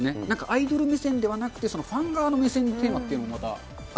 アイドル目線ではなくて、ファン側の目線のテーマというのもまた。